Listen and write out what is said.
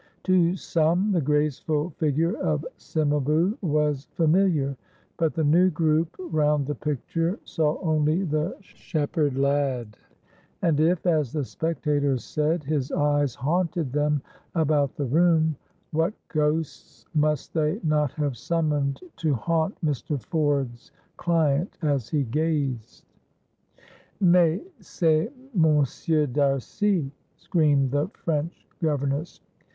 To some the graceful figure of Cimabue was familiar, but the new group round the picture saw only the shepherd lad. And if, as the spectators said, his eyes haunted them about the room, what ghosts must they not have summoned to haunt Mr. Ford's client as he gazed? "Mais c'est Monsieur D'Arcy!" screamed the French governess.